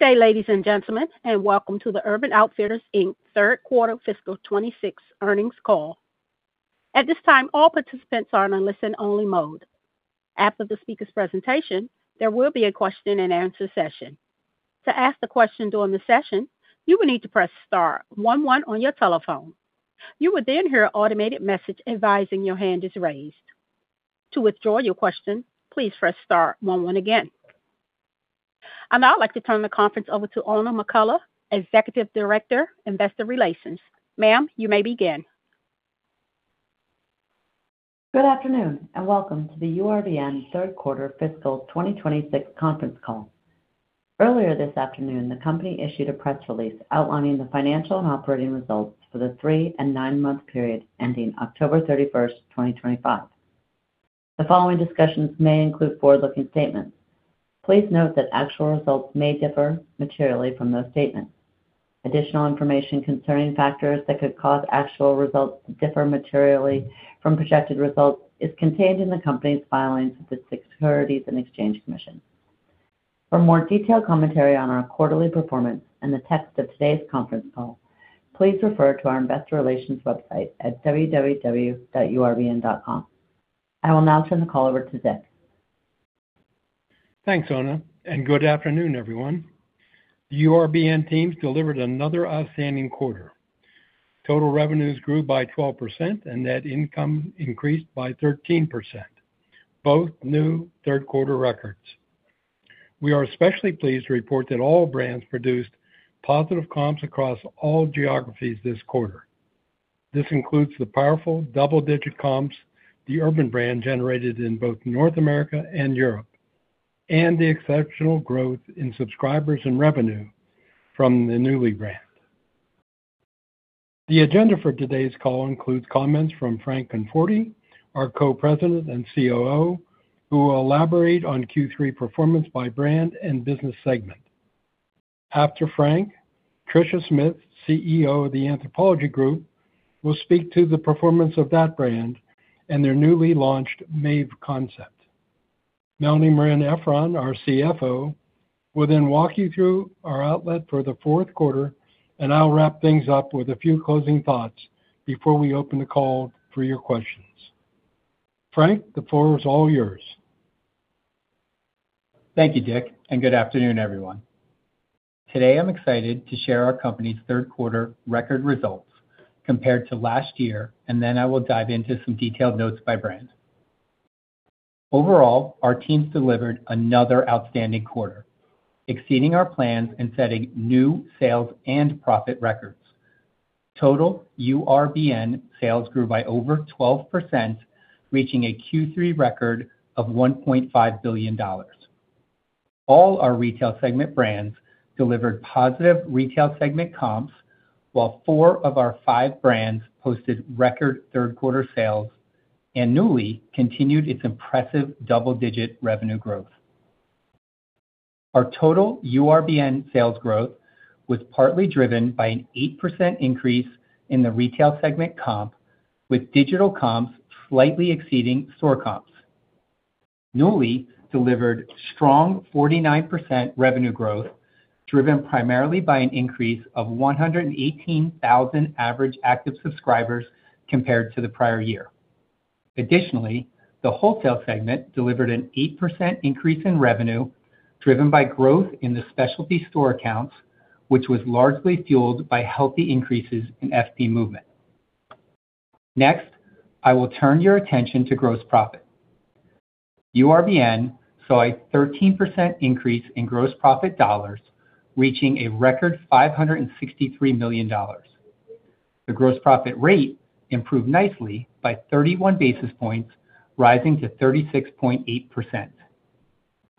Good day, ladies and gentlemen, and welcome to the Urban Outfitters third quarter fiscal 2026 earnings call. At this time, all participants are on a listen-only mode. After the speaker's presentation, there will be a question-and-answer session. To ask a question during the session, you will need to press star one one on your telephone. You will then hear an automated message advising your hand is raised. To withdraw your question, please press star one one again. I'd now like to turn the conference over to Oona McCullough, Executive Director, Investor Relations. Ma'am, you may begin. Good afternoon, and welcome to the URBN third quarter fiscal 2026 conference call. Earlier this afternoon, the company issued a press release outlining the financial and operating results for the three and nine-month period ending October 31, 2025. The following discussions may include forward-looking statements. Please note that actual results may differ materially from those statements. Additional information concerning factors that could cause actual results to differ materially from projected results is contained in the company's filings with the Securities and Exchange Commission. For more detailed commentary on our quarterly performance and the text of today's conference call, please refer to our Investor Relations website at www.urbn.com. I will now turn the call over to Dick. Thanks, Oona, and good afternoon, everyone. The URBN team delivered another outstanding quarter. Total revenues grew by 12%, and net income increased by 13%, both new third-quarter records. We are especially pleased to report that all brands produced positive comps across all geographies this quarter. This includes the powerful double-digit comps the Urban brand generated in both North America and Europe, and the exceptional growth in subscribers and revenue from the Nuuly brand. The agenda for today's call includes comments from Frank Conforti, our Co-President and COO, who will elaborate on Q3 performance by brand and business segment. After Frank, Tricia Smith, CEO of the Anthropologie Group, will speak to the performance of that brand and their newly launched Maeve concept. Melanie Marein-Efron, our CFO, will then walk you through our outlook for the fourth quarter, and I'll wrap things up with a few closing thoughts before we open the call for your questions. Frank, the floor is all yours. Thank you, Dick, and good afternoon, everyone. Today, I'm excited to share our company's third-quarter record results compared to last year, and then I will dive into some detailed notes by brand. Overall, our teams delivered another outstanding quarter, exceeding our plans and setting new sales and profit records. Total URBN sales grew by over 12%, reaching a Q3 record of $1.5 billion. All our retail segment brands delivered positive retail segment comps, while four of our five brands posted record third-quarter sales and Nuuly continued its impressive double-digit revenue growth. Our total URBN sales growth was partly driven by an 8% increase in the retail segment comp, with digital comps slightly exceeding store comps. Nuuly delivered strong 49% revenue growth, driven primarily by an increase of 118,000 average active subscribers compared to the prior year. Additionally, the wholesale segment delivered an 8% increase in revenue, driven by growth in the specialty store accounts, which was largely fueled by healthy increases in FP Movement. Next, I will turn your attention to gross profit. URBN saw a 13% increase in gross profit dollars, reaching a record $563 million. The gross profit rate improved nicely by 31 basis points, rising to 36.8%.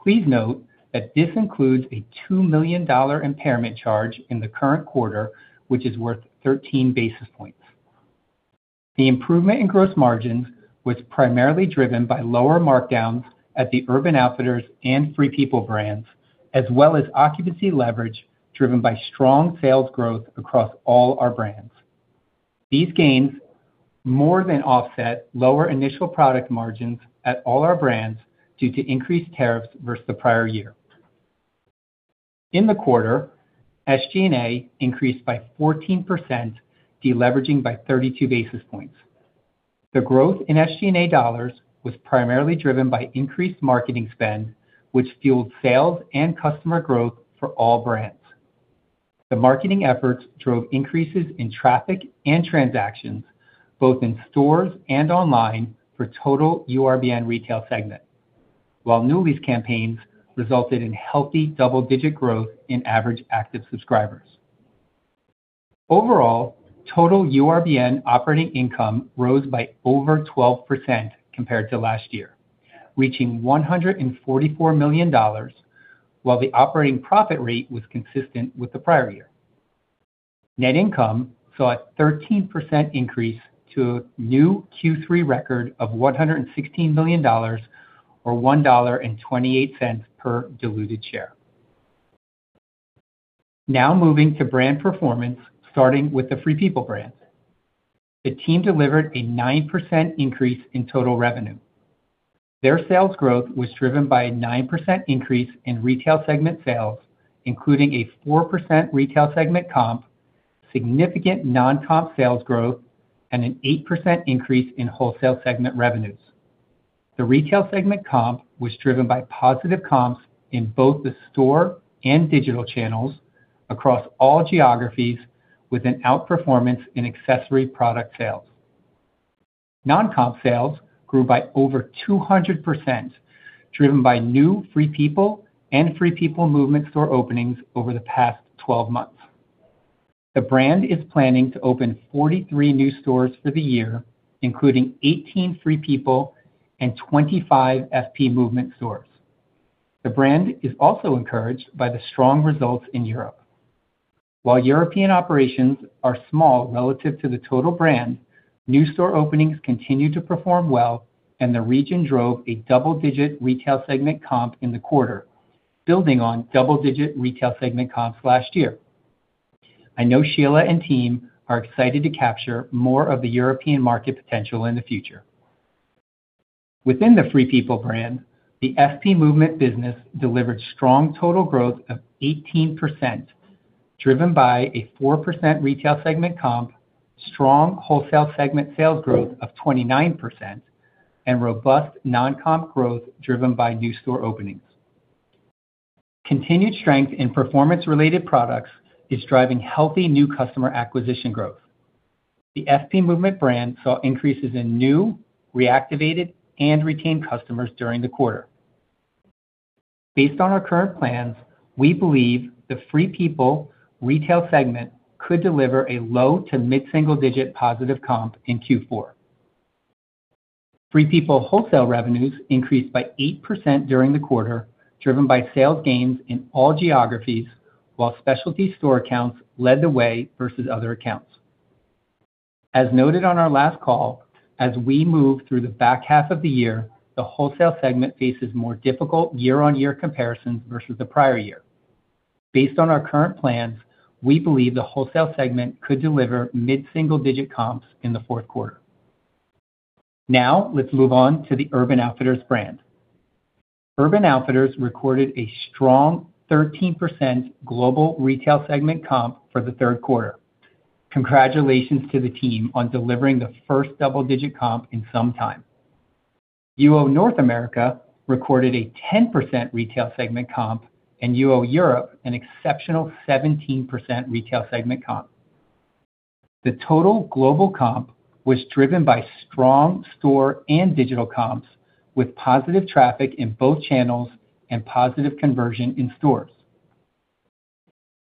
Please note that this includes a $2 million impairment charge in the current quarter, which is worth 13 basis points. The improvement in gross margins was primarily driven by lower markdowns at the Urban Outfitters and Free People brands, as well as occupancy leverage driven by strong sales growth across all our brands. These gains more than offset lower initial product margins at all our brands due to increased tariffs versus the prior year. In the quarter, SG&A increased by 14%, deleveraging by 32 basis points. The growth in SG&A dollars was primarily driven by increased marketing spend, which fueled sales and customer growth for all brands. The marketing efforts drove increases in traffic and transactions, both in stores and online, for total URBN retail segment, while Nuuly's campaigns resulted in healthy double-digit growth in average active subscribers. Overall, total URBN operating income rose by over 12% compared to last year, reaching $144 million, while the operating profit rate was consistent with the prior year. Net income saw a 13% increase to a new Q3 record of $116 million, or $1.28 per diluted share. Now moving to brand performance, starting with the Free People brand. The team delivered a 9% increase in total revenue. Their sales growth was driven by a 9% increase in retail segment sales, including a 4% retail segment comp, significant non-comp sales growth, and an 8% increase in wholesale segment revenues. The retail segment comp was driven by positive comps in both the store and digital channels across all geographies, with an outperformance in accessory product sales. Non-comp sales grew by over 200%, driven by new Free People and Free People Movement store openings over the past 12 months. The brand is planning to open 43 new stores for the year, including 18 Free People and 25 FP Movement stores. The brand is also encouraged by the strong results in Europe. While European operations are small relative to the total brand, new store openings continue to perform well, and the region drove a double-digit retail segment comp in the quarter, building on double-digit retail segment comps last year. I know Sheila and team are excited to capture more of the European market potential in the future. Within the Free People brand, the FP Movement business delivered strong total growth of 18%, driven by a 4% retail segment comp, strong wholesale segment sales growth of 29%, and robust non-comp growth driven by new store openings. Continued strength in performance-related products is driving healthy new customer acquisition growth. The FP Movement brand saw increases in new, reactivated, and retained customers during the quarter. Based on our current plans, we believe the Free People retail segment could deliver a low to mid-single-digit positive comp in Q4. Free People wholesale revenues increased by 8% during the quarter, driven by sales gains in all geographies, while specialty store accounts led the way versus other accounts. As noted on our last call, as we move through the back half of the year, the wholesale segment faces more difficult year-on-year comparisons versus the prior year. Based on our current plans, we believe the wholesale segment could deliver mid-single-digit comps in the fourth quarter. Now let's move on to the Urban Outfitters brand. Urban Outfitters recorded a strong 13% global retail segment comp for the third quarter. Congratulations to the team on delivering the first double-digit comp in some time. UO North America recorded a 10% retail segment comp, and UO Europe an exceptional 17% retail segment comp. The total global comp was driven by strong store and digital comps, with positive traffic in both channels and positive conversion in stores.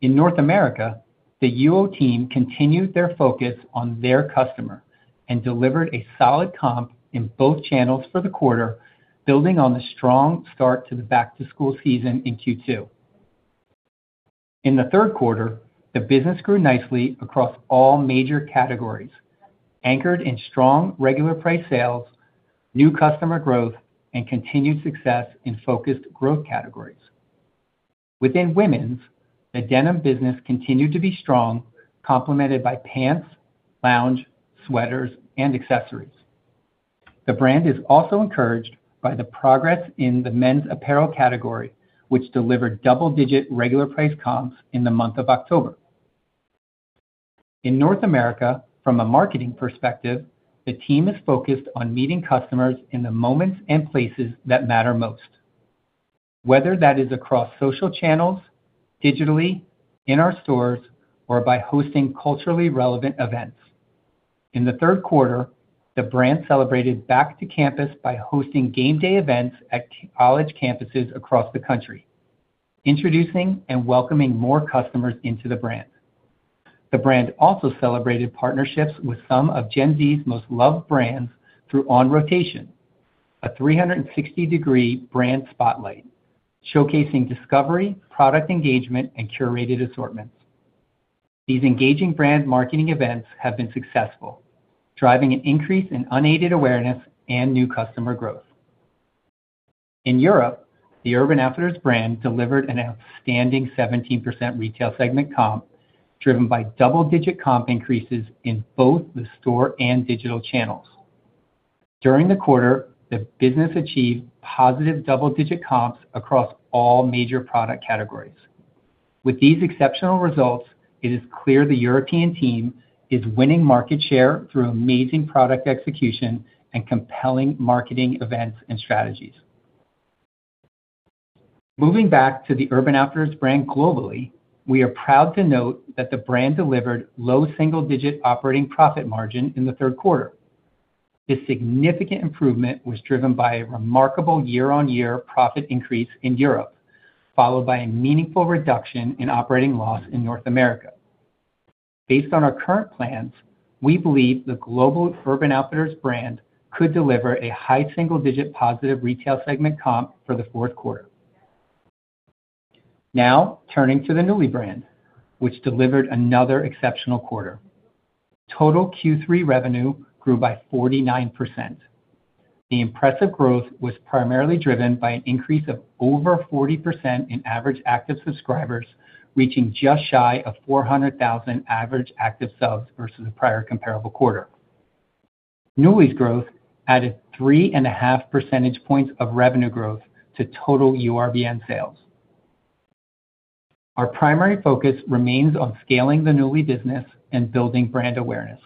In North America, the UO team continued their focus on their customer and delivered a solid comp in both channels for the quarter, building on the strong start to the back-to-school season in Q2. In the third quarter, the business grew nicely across all major categories, anchored in strong regular price sales, new customer growth, and continued success in focused growth categories. Within women's, the denim business continued to be strong, complemented by pants, lounge, sweaters, and accessories. The brand is also encouraged by the progress in the men's apparel category, which delivered double-digit regular price comps in the month of October. In North America, from a marketing perspective, the team is focused on meeting customers in the moments and places that matter most, whether that is across social channels, digitally, in our stores, or by hosting culturally relevant events. In the third quarter, the brand celebrated back to campus by hosting game day events at college campuses across the country, introducing and welcoming more customers into the brand. The brand also celebrated partnerships with some of Gen Z's most loved brands through On Rotation, a 360-degree brand spotlight, showcasing discovery, product engagement, and curated assortments. These engaging brand marketing events have been successful, driving an increase in unaided awareness and new customer growth. In Europe, the Urban Outfitters brand delivered an outstanding 17% retail segment comp, driven by double-digit comp increases in both the store and digital channels. During the quarter, the business achieved positive double-digit comps across all major product categories. With these exceptional results, it is clear the European team is winning market share through amazing product execution and compelling marketing events and strategies. Moving back to the Urban Outfitters brand globally, we are proud to note that the brand delivered low single-digit operating profit margin in the third quarter. This significant improvement was driven by a remarkable year-on-year profit increase in Europe, followed by a meaningful reduction in operating loss in North America. Based on our current plans, we believe the global Urban Outfitters brand could deliver a high single-digit positive retail segment comp for the fourth quarter. Now turning to the Nuuly brand, which delivered another exceptional quarter. Total Q3 revenue grew by 49%. The impressive growth was primarily driven by an increase of over 40% in average active subscribers, reaching just shy of 400,000 average active subs versus the prior comparable quarter. Nuuly's growth added 3.5 percentage points of revenue growth to total URBN sales. Our primary focus remains on scaling the Nuuly business and building brand awareness,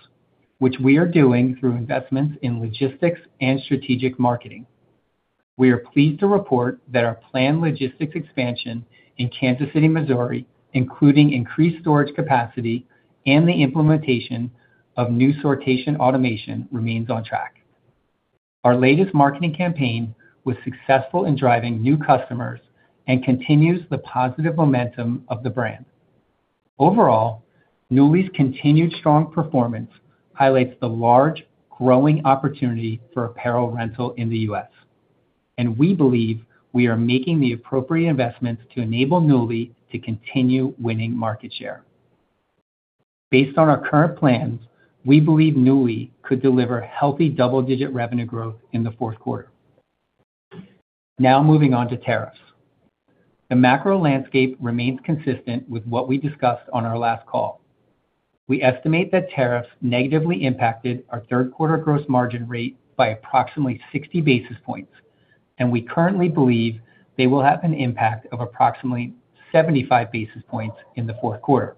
which we are doing through investments in logistics and strategic marketing. We are pleased to report that our planned logistics expansion in Kansas City, Missouri, including increased storage capacity and the implementation of new sortation automation, remains on track. Our latest marketing campaign was successful in driving new customers and continues the positive momentum of the brand. Overall, Nuuly's continued strong performance highlights the large, growing opportunity for apparel rental in the U.S., and we believe we are making the appropriate investments to enable Nuuly to continue winning market share. Based on our current plans, we believe Nuuly could deliver healthy double-digit revenue growth in the fourth quarter. Now moving on to tariffs. The macro landscape remains consistent with what we discussed on our last call. We estimate that tariffs negatively impacted our third quarter gross margin rate by approximately 60 basis points, and we currently believe they will have an impact of approximately 75 basis points in the fourth quarter.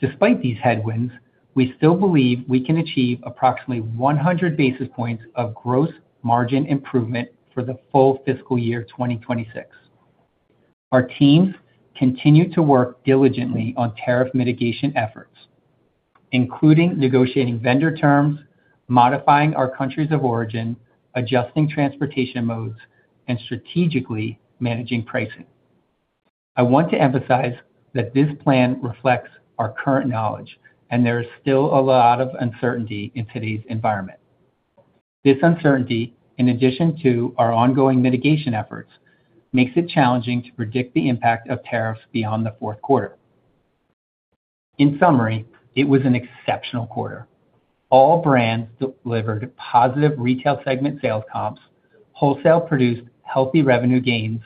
Despite these headwinds, we still believe we can achieve approximately 100 basis points of gross margin improvement for the full fiscal year 2026. Our teams continue to work diligently on tariff mitigation efforts, including negotiating vendor terms, modifying our countries of origin, adjusting transportation modes, and strategically managing pricing. I want to emphasize that this plan reflects our current knowledge, and there is still a lot of uncertainty in today's environment. This uncertainty, in addition to our ongoing mitigation efforts, makes it challenging to predict the impact of tariffs beyond the fourth quarter. In summary, it was an exceptional quarter. All brands delivered positive retail segment sales comps, wholesale produced healthy revenue gains,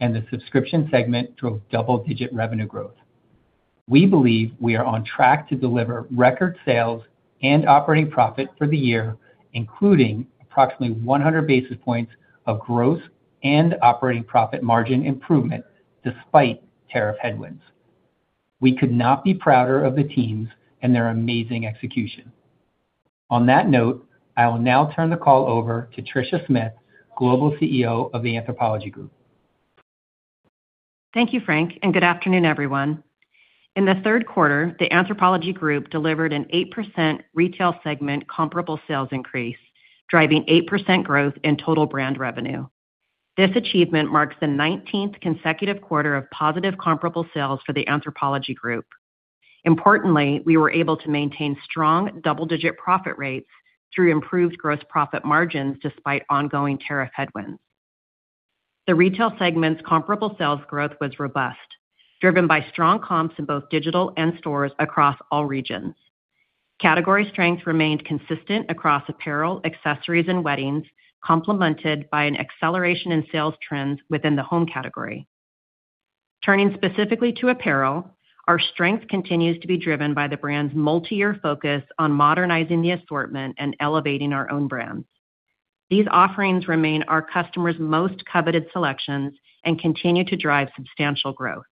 and the subscription segment drove double-digit revenue growth. We believe we are on track to deliver record sales and operating profit for the year, including approximately 100 basis points of gross and operating profit margin improvement despite tariff headwinds. We could not be prouder of the teams and their amazing execution. On that note, I will now turn the call over to Tricia Smith, Global CEO of the Anthropologie Group. Thank you, Frank, and good afternoon, everyone. In the third quarter, the Anthropologie Group delivered an 8% retail segment comparable sales increase, driving 8% growth in total brand revenue. This achievement marks the 19th consecutive quarter of positive comparable sales for the Anthropologie Group. Importantly, we were able to maintain strong double-digit profit rates through improved gross profit margins despite ongoing tariff headwinds. The retail segment's comparable sales growth was robust, driven by strong comps in both digital and stores across all regions. Category strength remained consistent across apparel, accessories, and weddings, complemented by an acceleration in sales trends within the home category. Turning specifically to apparel, our strength continues to be driven by the brand's multi-year focus on modernizing the assortment and elevating our own brands. These offerings remain our customers' most coveted selections and continue to drive substantial growth.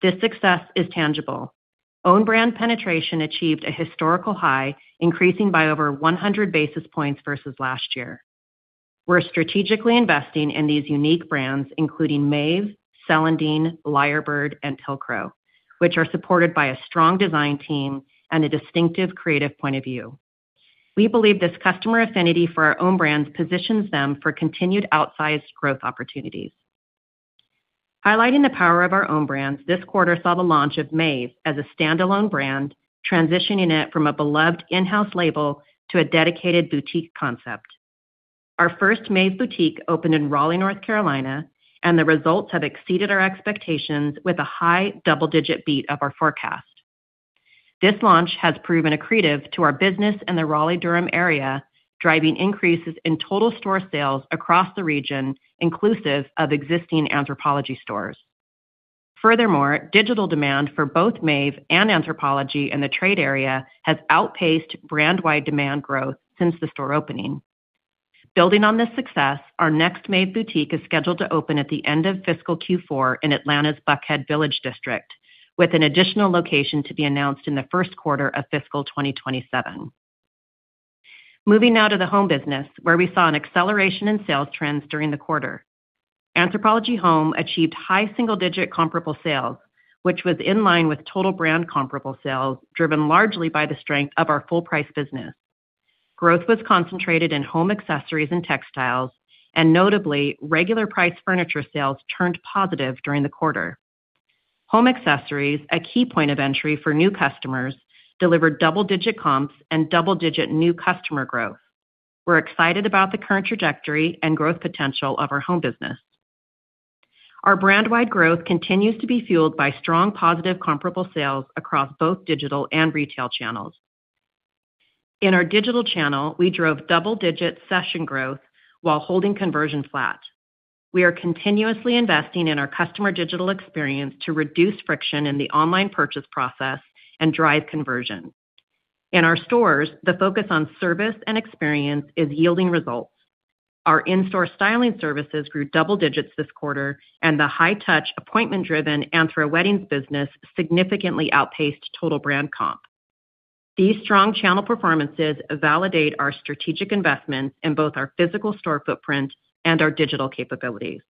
This success is tangible. Own brand penetration achieved a historical high, increasing by over 100 basis points versus last year. We're strategically investing in these unique brands, including Maeve, Celandine, Lyrebird, and Pilcro, which are supported by a strong design team and a distinctive creative point of view. We believe this customer affinity for our own brands positions them for continued outsized growth opportunities. Highlighting the power of our own brands, this quarter saw the launch of Maeve as a standalone brand, transitioning it from a beloved in-house label to a dedicated boutique concept. Our first Maeve boutique opened in Raleigh, North Carolina, and the results have exceeded our expectations with a high double-digit beat of our forecast. This launch has proven accretive to our business in the Raleigh-Durham area, driving increases in total store sales across the region, inclusive of existing Anthropologie stores. Furthermore, digital demand for both Maeve and Anthropologie in the trade area has outpaced brand-wide demand growth since the store opening. Building on this success, our next Maeve boutique is scheduled to open at the end of fiscal Q4 in Atlanta's Buckhead Village District, with an additional location to be announced in the first quarter of fiscal 2027. Moving now to the home business, where we saw an acceleration in sales trends during the quarter. Anthropologie Home achieved high single-digit comparable sales, which was in line with total brand comparable sales, driven largely by the strength of our full-price business. Growth was concentrated in home accessories and textiles, and notably, regular price furniture sales turned positive during the quarter. Home accessories, a key point of entry for new customers, delivered double-digit comps and double-digit new customer growth. We're excited about the current trajectory and growth potential of our home business. Our brand-wide growth continues to be fueled by strong positive comparable sales across both digital and retail channels. In our digital channel, we drove double-digit session growth while holding conversion flat. We are continuously investing in our customer digital experience to reduce friction in the online purchase process and drive conversion. In our stores, the focus on service and experience is yielding results. Our in-store styling services grew double digits this quarter, and the high-touch, appointment-driven Anthro weddings business significantly outpaced total brand comp. These strong channel performances validate our strategic investments in both our physical store footprint and our digital capabilities.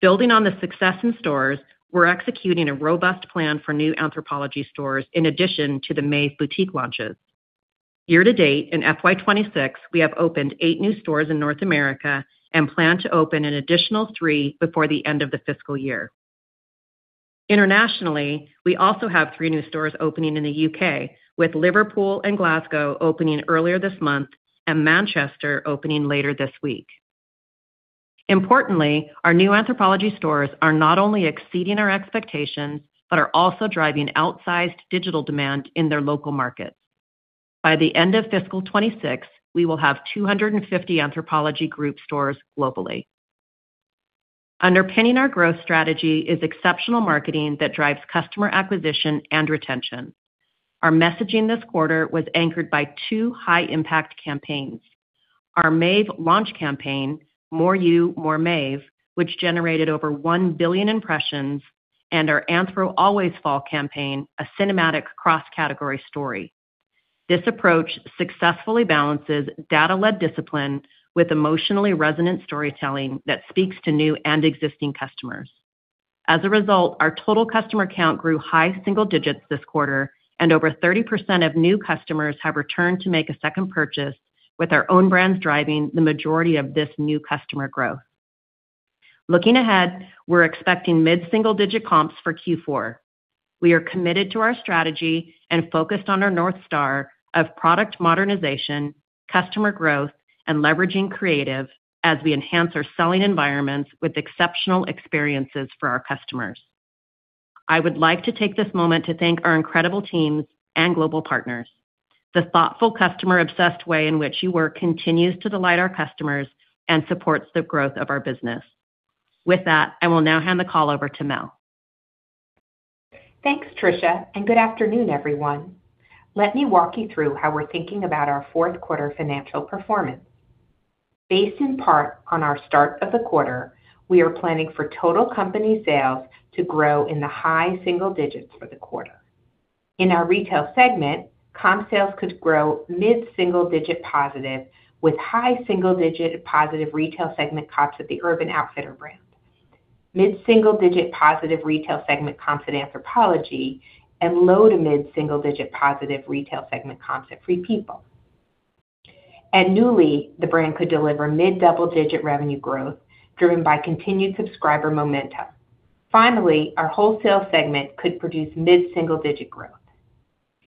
Building on the success in stores, we're executing a robust plan for new Anthropologie stores in addition to the Maeve boutique launches. Year-to-date, in FY 2026, we have opened eight new stores in North America and plan to open an additional three before the end of the fiscal year. Internationally, we also have three new stores opening in the U.K., with Liverpool and Glasgow opening earlier this month and Manchester opening later this week. Importantly, our new Anthropologie stores are not only exceeding our expectations but are also driving outsized digital demand in their local markets. By the end of fiscal 2026, we will have 250 Anthropologie Group stores globally. Underpinning our growth strategy is exceptional marketing that drives customer acquisition and retention. Our messaging this quarter was anchored by two high-impact campaigns: our Maeve launch campaign, "More You, More Maeve," which generated over 1 billion impressions, and our Anthro Always Fall campaign, a cinematic cross-category story. This approach successfully balances data-led discipline with emotionally resonant storytelling that speaks to new and existing customers. As a result, our total customer count grew high single digits this quarter, and over 30% of new customers have returned to make a second purchase, with our own brands driving the majority of this new customer growth. Looking ahead, we're expecting mid-single-digit comps for Q4. We are committed to our strategy and focused on our North Star of product modernization, customer growth, and leveraging creative as we enhance our selling environments with exceptional experiences for our customers. I would like to take this moment to thank our incredible teams and global partners. The thoughtful, customer-obsessed way in which you work continues to delight our customers and supports the growth of our business. With that, I will now hand the call over to Mel. Thanks, Tricia, and good afternoon, everyone. Let me walk you through how we're thinking about our fourth quarter financial performance. Based in part on our start of the quarter, we are planning for total company sales to grow in the high single digits for the quarter. In our retail segment, comp sales could grow mid-single digit positive with high single-digit positive retail segment comps at the Urban Outfitters brand, mid-single digit positive retail segment comps at Anthropologie, and low to mid-single digit positive retail segment comps at Free People. At Nuuly, the brand could deliver mid-double digit revenue growth driven by continued subscriber momentum. Finally, our wholesale segment could produce mid-single digit growth.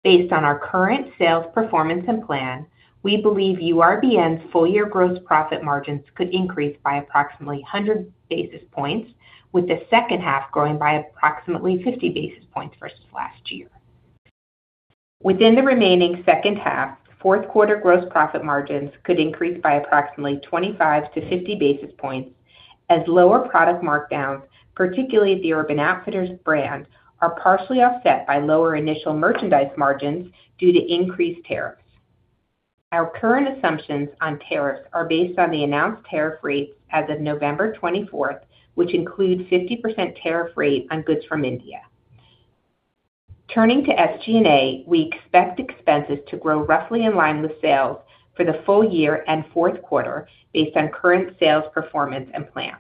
Based on our current sales performance and plan, we believe URBN's full-year gross profit margins could increase by approximately 100 basis points, with the second half growing by approximately 50 basis points versus last year. Within the remaining second half, fourth quarter gross profit margins could increase by approximately 25 to 50 basis points as lower product markdowns, particularly at the Urban Outfitters brand, are partially offset by lower initial merchandise margins due to increased tariffs. Our current assumptions on tariffs are based on the announced tariff rates as of November 24th, which include a 50% tariff rate on goods from India. Turning to SG&A, we expect expenses to grow roughly in line with sales for the full year and fourth quarter based on current sales performance and plans.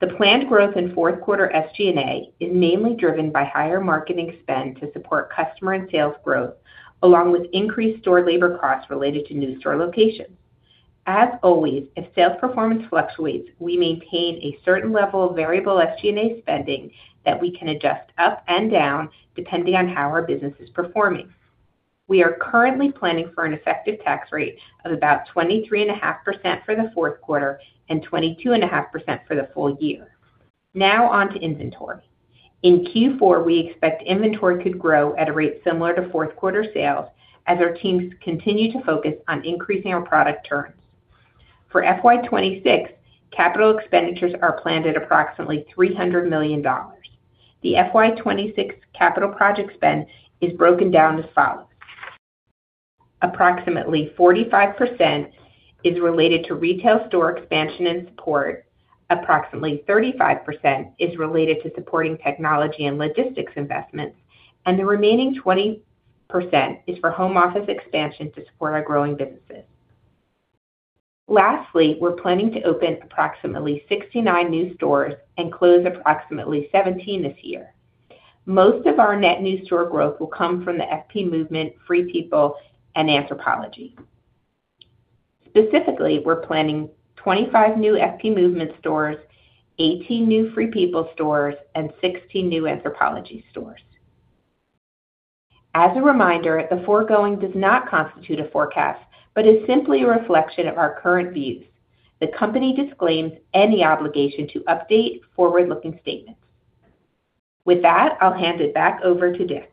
The planned growth in fourth quarter SG&A is mainly driven by higher marketing spend to support customer and sales growth, along with increased store labor costs related to new store locations. As always, if sales performance fluctuates, we maintain a certain level of variable SG&A spending that we can adjust up and down depending on how our business is performing. We are currently planning for an effective tax rate of about 23.5% for the fourth quarter and 22.5% for the full year. Now on to inventory. In Q4, we expect inventory could grow at a rate similar to fourth quarter sales as our teams continue to focus on increasing our product turns. For FY 2026, capital expenditures are planned at approximately $300 million. The FY 2026 capital project spend is broken down as follows. Approximately 45% is related to retail store expansion and support, approximately 35% is related to supporting technology and logistics investments, and the remaining 20% is for home office expansion to support our growing businesses. Lastly, we're planning to open approximately 69 new stores and close approximately 17 this year. Most of our net new store growth will come from the FP Movement, Free People, and Anthropologie. Specifically, we're planning 25 new FP Movement stores, 18 new Free People stores, and 16 new Anthropologie stores. As a reminder, the foregoing does not constitute a forecast but is simply a reflection of our current views. The company disclaims any obligation to update forward-looking statements. With that, I'll hand it back over to Dick.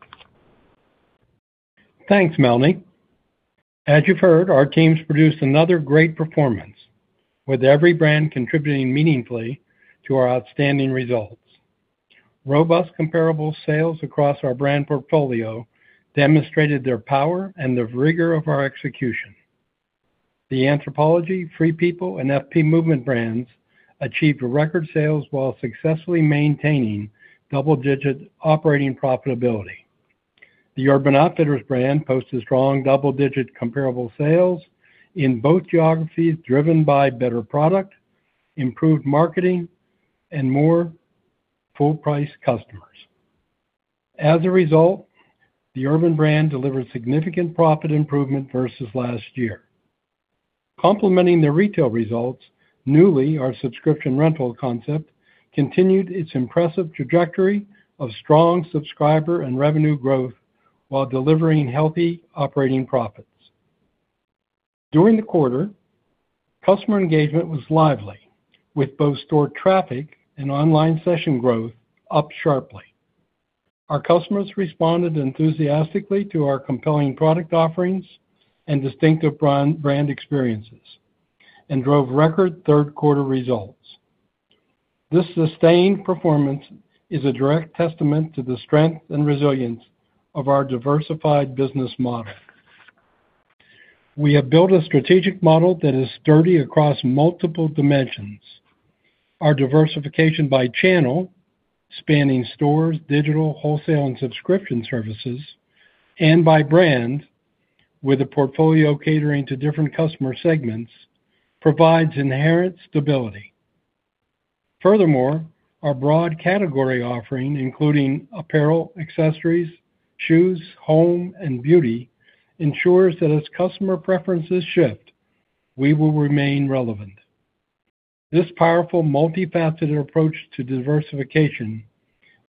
Thanks, Melanie. As you've heard, our teams produced another great performance, with every brand contributing meaningfully to our outstanding results. Robust comparable sales across our brand portfolio demonstrated their power and the rigor of our execution. The Anthropologie, Free People, and FP Movement brands achieved record sales while successfully maintaining double-digit operating profitability. The Urban Outfitters brand posted strong double-digit comparable sales in both geographies, driven by better product, improved marketing, and more full-price customers. As a result, the Urban brand delivered significant profit improvement versus last year. Complementing their retail results, Nuuly, our subscription rental concept, continued its impressive trajectory of strong subscriber and revenue growth while delivering healthy operating profits. During the quarter, customer engagement was lively, with both store traffic and online session growth up sharply. Our customers responded enthusiastically to our compelling product offerings and distinctive brand experiences and drove record third quarter results. This sustained performance is a direct testament to the strength and resilience of our diversified business model. We have built a strategic model that is sturdy across multiple dimensions. Our diversification by channel, spanning stores, digital, wholesale, and subscription services, and by brand, with a portfolio catering to different customer segments, provides inherent stability. Furthermore, our broad category offering, including apparel, accessories, shoes, home, and beauty, ensures that as customer preferences shift, we will remain relevant. This powerful, multifaceted approach to diversification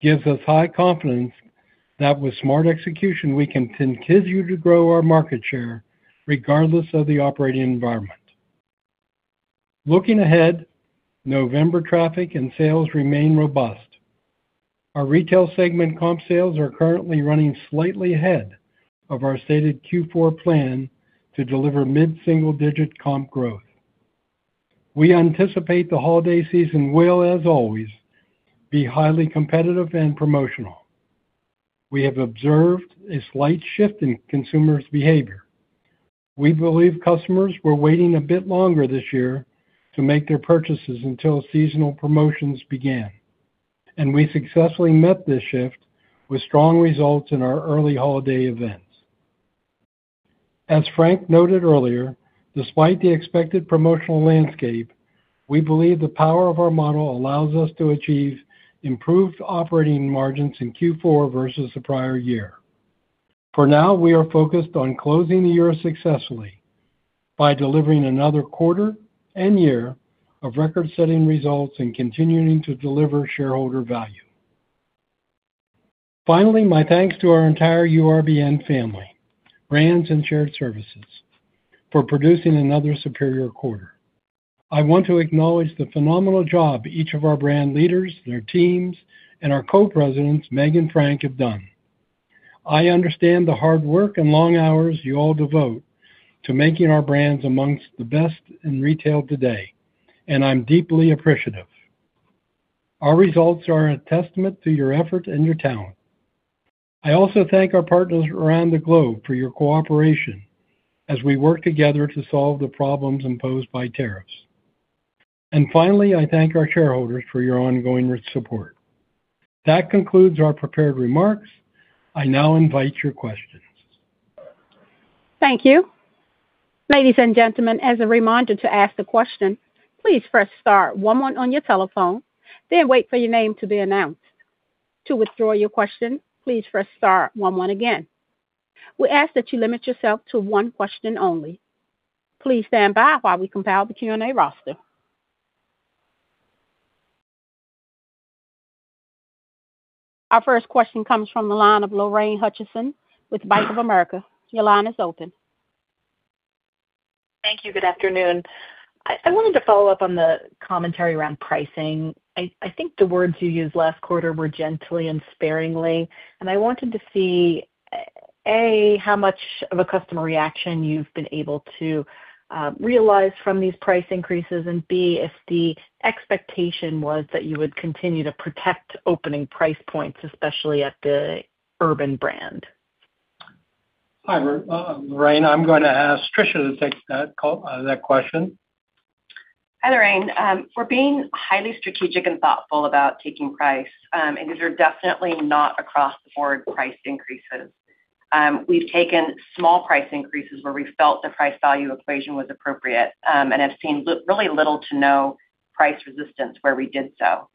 gives us high confidence that with smart execution, we can continue to grow our market share regardless of the operating environment. Looking ahead, November traffic and sales remain robust. Our retail segment comp sales are currently running slightly ahead of our stated Q4 plan to deliver mid-single digit comp growth. We anticipate the holiday season will, as always, be highly competitive and promotional. We have observed a slight shift in consumers' behavior. We believe customers were waiting a bit longer this year to make their purchases until seasonal promotions began, and we successfully met this shift with strong results in our early holiday events. As Frank noted earlier, despite the expected promotional landscape, we believe the power of our model allows us to achieve improved operating margins in Q4 versus the prior year. For now, we are focused on closing the year successfully by delivering another quarter and year of record-setting results and continuing to deliver shareholder value. Finally, my thanks to our entire URBN family, brands, and shared services for producing another superior quarter. I want to acknowledge the phenomenal job each of our brand leaders, their teams, and our Co-Presidents, Meg and Frank, have done. I understand the hard work and long hours you all devote to making our brands amongst the best in retail today, and I'm deeply appreciative. Our results are a testament to your effort and your talent. I also thank our partners around the globe for your cooperation as we work together to solve the problems imposed by tariffs. I thank our shareholders for your ongoing support. That concludes our prepared remarks. I now invite your questions. Thank you. Ladies and gentlemen, as a reminder to ask the question, please press star one one on your telephone, then wait for your name to be announced. To withdraw your question, please press star one one again. We ask that you limit yourself to one question only. Please stand by while we compile the Q&A roster. Our first question comes from the line of Lorraine Hutchinson with Bank of America. Your line is open. Thank you. Good afternoon. I wanted to follow up on the commentary around pricing. I think the words you used last quarter were gently and sparingly, and I wanted to see, A, how much of a customer reaction you've been able to realize from these price increases, and B, if the expectation was that you would continue to protect opening price points, especially at the Urban brand. Hi, Lorraine. I'm going to ask Tricia to take that question. Hi, Lorraine. We're being highly strategic and thoughtful about taking price, and these are definitely not across-the-board price increases. We've taken small price increases where we felt the price-value equation was appropriate and have seen really little to no price resistance where we did so.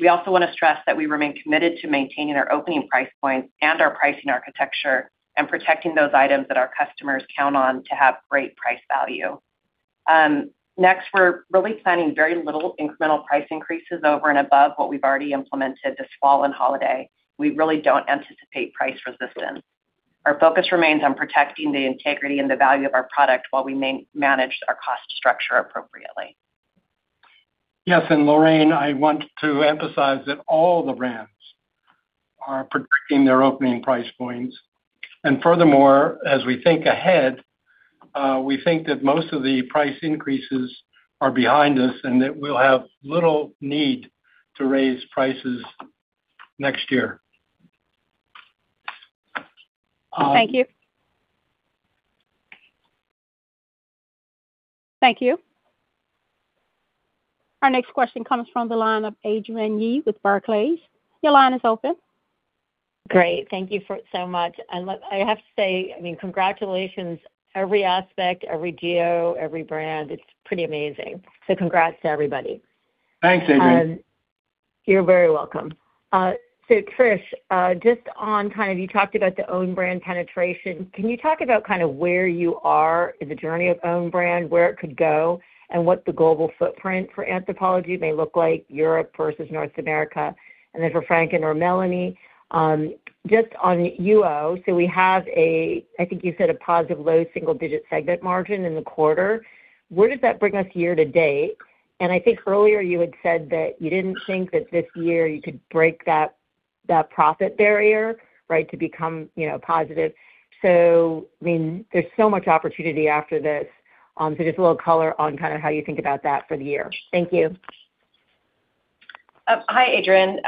We also want to stress that we remain committed to maintaining our opening price points and our pricing architecture and protecting those items that our customers count on to have great price value. Next, we're really planning very little incremental price increases over and above what we've already implemented this fall and holiday. We really don't anticipate price resistance. Our focus remains on protecting the integrity and the value of our product while we manage our cost structure appropriately. Yes. Lorraine, I want to emphasize that all the brands are protecting their opening price points. Furthermore, as we think ahead, we think that most of the price increases are behind us and that we'll have little need to raise prices next year. Thank you. Thank you. Our next question comes from the line of Adrienne Yih with Barclays. Your line is open. Great. Thank you so much. I have to say, I mean, congratulations. Every aspect, every geo, every brand, it's pretty amazing. So congrats to everybody. Thanks, Adrienne. You're very welcome. Trish, just on kind of you talked about the own brand penetration. Can you talk about kind of where you are in the journey of own brand, where it could go, and what the global footprint for Anthropologie may look like, Europe versus North America? For Frank and/or Melanie, just on UO, we have, I think you said, a positive low single-digit segment margin in the quarter. Where does that bring us year to date? I think earlier you had said that you didn't think that this year you could break that profit barrier, right, to become positive. I mean, there's so much opportunity after this. Just a little color on kind of how you think about that for the year. Thank you. Hi, Adrian.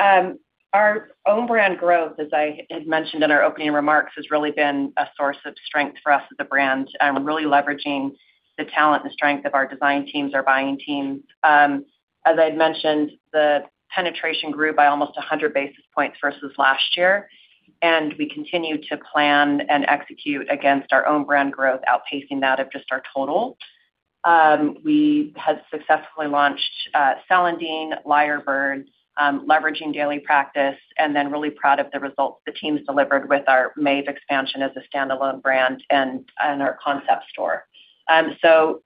Our own brand growth, as I had mentioned in our opening remarks, has really been a source of strength for us as a brand. I'm really leveraging the talent and strength of our design teams, our buying teams. As I had mentioned, the penetration grew by almost 100 basis points versus last year, and we continue to plan and execute against our own brand growth, outpacing that of just our total. We had successfully launched Celandine, Lyrebird, leveraging daily practice, and then really proud of the results the team's delivered with our Maeve expansion as a standalone brand and our concept store.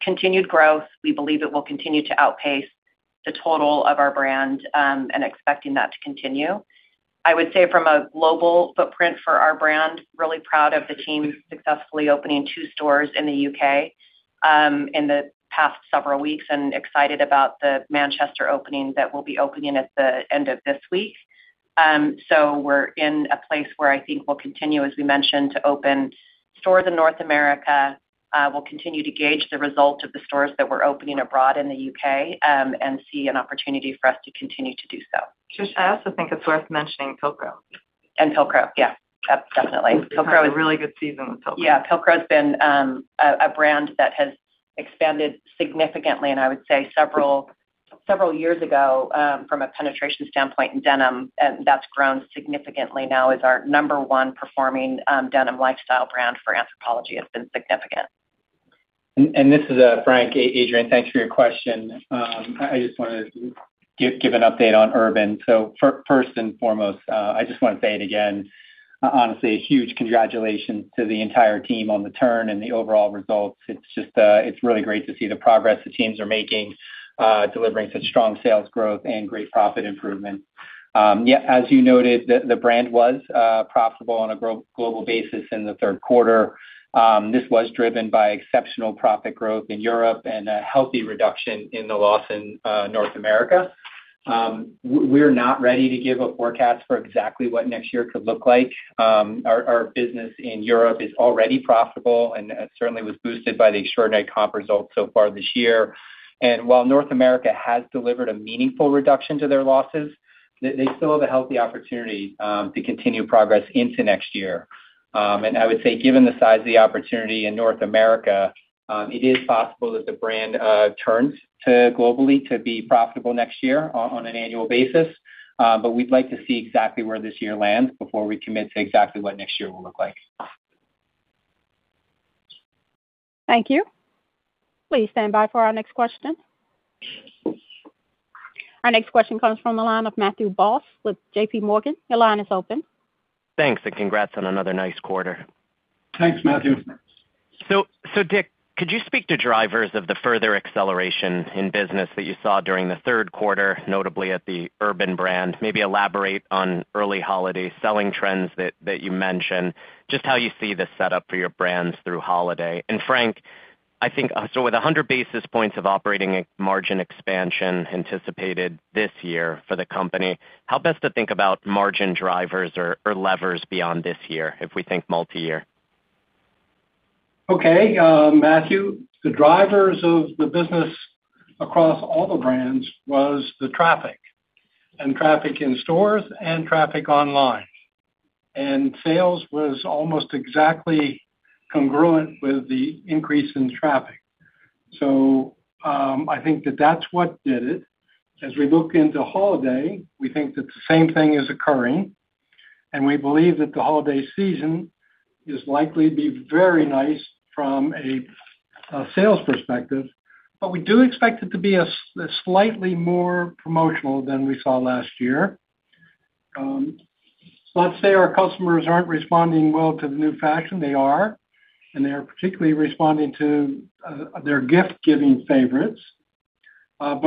Continued growth. We believe it will continue to outpace the total of our brand and expecting that to continue. I would say from a global footprint for our brand, really proud of the team successfully opening two stores in the U.K. in the past several weeks and excited about the Manchester opening that we'll be opening at the end of this week. We're in a place where I think we'll continue, as we mentioned, to open stores in North America. We'll continue to gauge the result of the stores that we're opening abroad in the U.K. and see an opportunity for us to continue to do so. Trish, I also think it's worth mentioning Pilcro. And Pilcro, yeah. Definitely. We had a really good season with Pilcro. Yeah. Pilcro has been a brand that has expanded significantly, and I would say several years ago from a penetration standpoint in denim, and that's grown significantly now as our number one performing denim lifestyle brand for Anthropologie has been significant. This is Frank, Adrian. Thanks for your question. I just want to give an update on Urban. First and foremost, I just want to say it again, honestly, a huge congratulations to the entire team on the turn and the overall results. It's just really great to see the progress the teams are making, delivering such strong sales growth and great profit improvement. Yeah. As you noted, the brand was profitable on a global basis in the third quarter. This was driven by exceptional profit growth in Europe and a healthy reduction in the loss in North America. We're not ready to give a forecast for exactly what next year could look like. Our business in Europe is already profitable and certainly was boosted by the extraordinary comp results so far this year. While North America has delivered a meaningful reduction to their losses, they still have a healthy opportunity to continue progress into next year. I would say, given the size of the opportunity in North America, it is possible that the brand turns globally to be profitable next year on an annual basis, but we'd like to see exactly where this year lands before we commit to exactly what next year will look like. Thank you. Please stand by for our next question. Our next question comes from the line of Matthew Boss with JPMorgan. Your line is open. Thanks. Congrats on another nice quarter. Thanks, Matthew. Dick, could you speak to drivers of the further acceleration in business that you saw during the third quarter, notably at the Urban brand? Maybe elaborate on early holiday selling trends that you mentioned, just how you see the setup for your brands through holiday. Frank, I think with 100 basis points of operating margin expansion anticipated this year for the company, how best to think about margin drivers or levers beyond this year if we think multi-year? Okay. Matthew, the drivers of the business across all the brands was the traffic and traffic in stores and traffic online. Sales was almost exactly congruent with the increase in traffic. I think that that's what did it. As we look into holiday, we think that the same thing is occurring, and we believe that the holiday season is likely to be very nice from a sales perspective, but we do expect it to be slightly more promotional than we saw last year. Let's say our customers aren't responding well to the new fashion. They are, and they are particularly responding to their gift-giving favorites, but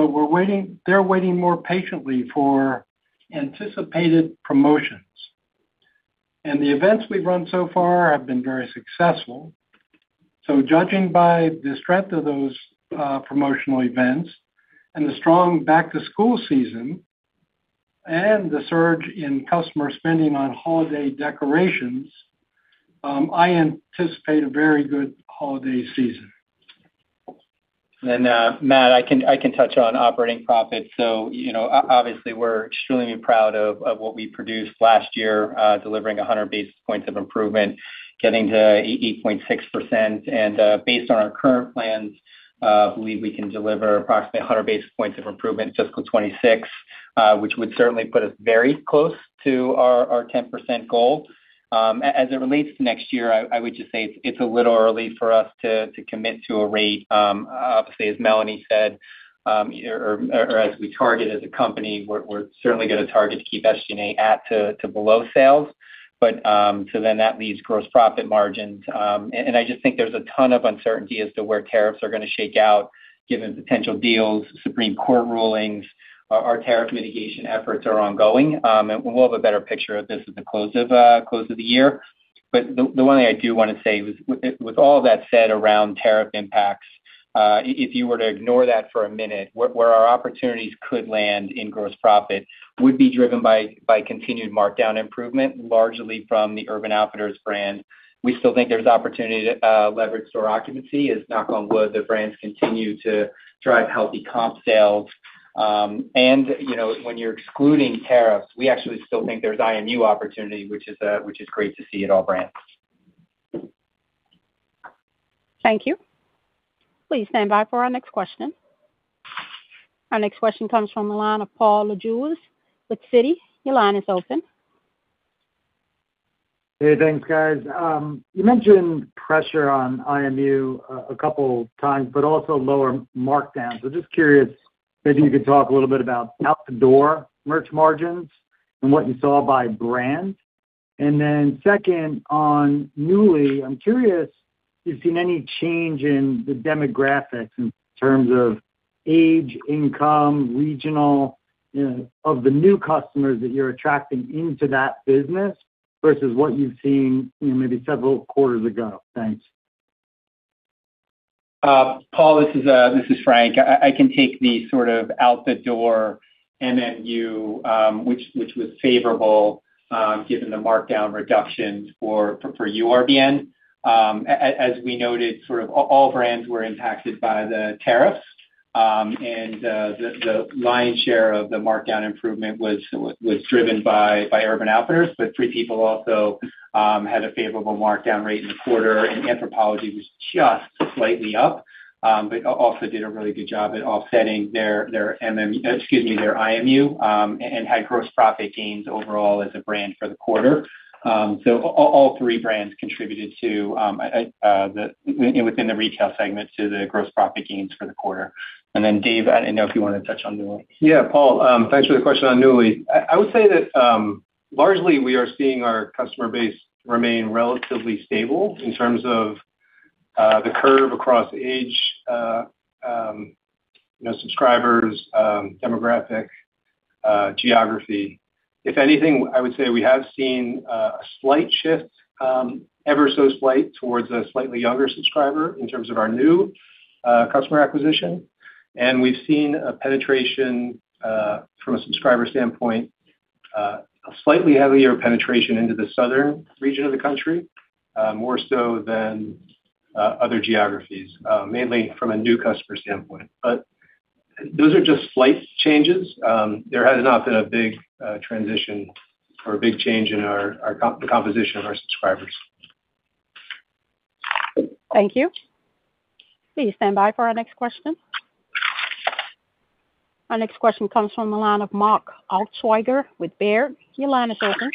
they're waiting more patiently for anticipated promotions. The events we've run so far have been very successful. Judging by the strength of those promotional events and the strong back-to-school season and the surge in customer spending on holiday decorations, I anticipate a very good holiday season. Matt, I can touch on operating profits. Obviously, we're extremely proud of what we produced last year, delivering 100 basis points of improvement, getting to 8.6%. Based on our current plans, I believe we can deliver approximately 100 basis points of improvement in fiscal 2026, which would certainly put us very close to our 10% goal. As it relates to next year, I would just say it's a little early for us to commit to a rate. Obviously, as Melanie said, or as we target as a company, we're certainly going to target to keep SG&A at to below sales. That leads gross profit margins. I just think there's a ton of uncertainty as to where tariffs are going to shake out given potential deals, Supreme Court rulings. Our tariff mitigation efforts are ongoing, and we'll have a better picture of this at the close of the year. The one thing I do want to say was, with all that said around tariff impacts, if you were to ignore that for a minute, where our opportunities could land in gross profit would be driven by continued markdown improvement, largely from the Urban Outfitters brand. We still think there's opportunity to leverage store occupancy, as knock on wood, the brands continue to drive healthy comp sales. When you're excluding tariffs, we actually still think there's IMU opportunity, which is great to see at all brands. Thank you. Please stand by for our next question. Our next question comes from the line of Paul Lejuez with Citi. Your line is open. Hey, thanks, guys. You mentioned pressure on IMU a couple of times, but also lower markdowns. I'm just curious, maybe you could talk a little bit about out-the-door merch margins and what you saw by brand. Then second, on Nuuly, I'm curious if you've seen any change in the demographics in terms of age, income, regional of the new customers that you're attracting into that business versus what you've seen maybe several quarters ago. Thanks. Paul, this is Frank. I can take the sort of out-the-door IMU, which was favorable given the markdown reductions for URBN. As we noted, all brands were impacted by the tariffs, and the lion's share of the markdown improvement was driven by Urban Outfitters. Free People also had a favorable markdown rate in the quarter, and Anthropologie was just slightly up, but also did a really good job at offsetting their IMU and had gross profit gains overall as a brand for the quarter. All three brands contributed within the retail segment to the gross profit gains for the quarter. Dave, I do not know if you want to touch on Nuuly. Yeah, Paul, thanks for the question on Nuuly. I would say that largely we are seeing our customer base remain relatively stable in terms of the curve across age, subscribers, demographic, geography. If anything, I would say we have seen a slight shift, ever so slight, towards a slightly younger subscriber in terms of our new customer acquisition. We have seen a penetration from a subscriber standpoint, a slightly heavier penetration into the southern region of the country, more so than other geographies, mainly from a new customer standpoint. Those are just slight changes. There has not been a big transition or a big change in the composition of our subscribers. Thank you. Please stand by for our next question. Our next question comes from the line of Mark Altschwager with Baird. Your line is open.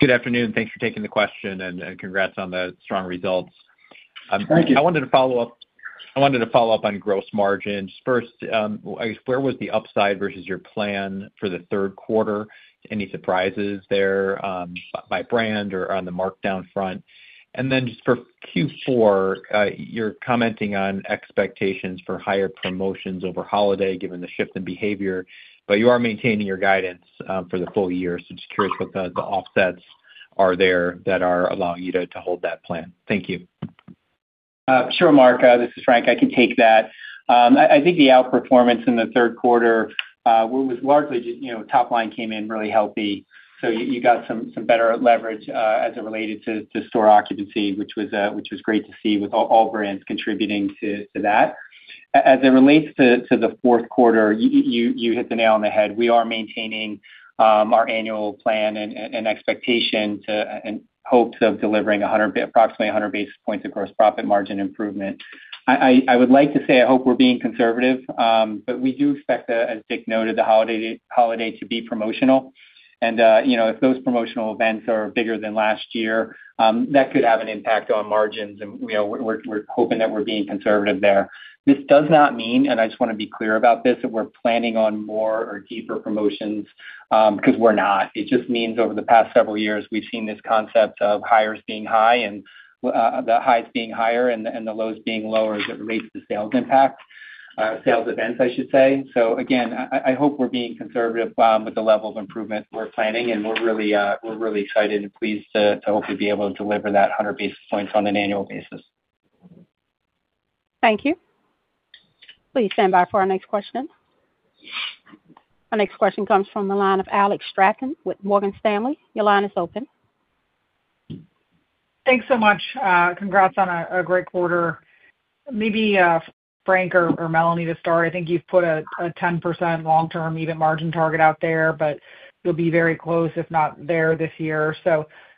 Good afternoon. Thanks for taking the question, and congrats on the strong results. Thank you. I wanted to follow up on gross margins. First, I guess, where was the upside versus your plan for the third quarter? Any surprises there by brand or on the markdown front? Just for Q4, you're commenting on expectations for higher promotions over holiday given the shift in behavior, but you are maintaining your guidance for the full year. Just curious what the offsets are there that are allowing you to hold that plan. Thank you. Sure, Mark. This is Frank. I can take that. I think the outperformance in the third quarter was largely top line came in really healthy. You got some better leverage as it related to store occupancy, which was great to see with all brands contributing to that. As it relates to the fourth quarter, you hit the nail on the head. We are maintaining our annual plan and expectation and hopes of delivering approximately 100 basis points of gross profit margin improvement. I would like to say I hope we're being conservative, but we do expect, as Dick noted, the holiday to be promotional. If those promotional events are bigger than last year, that could have an impact on margins, and we're hoping that we're being conservative there. This does not mean, and I just want to be clear about this, that we're planning on more or deeper promotions because we're not. It just means over the past several years, we've seen this concept of highs being high and the highs being higher and the lows being lower as it relates to sales impact, sales events, I should say. I hope we're being conservative with the level of improvement we're planning, and we're really excited and pleased to hopefully be able to deliver that 100 basis points on an annual basis. Thank you. Please stand by for our next question. Our next question comes from the line of Alex Straton with Morgan Stanley. Your line is open. Thanks so much. Congrats on a great quarter. Maybe Frank or Melanie to start. I think you've put a 10% long-term EBIT margin target out there, but you'll be very close, if not there this year.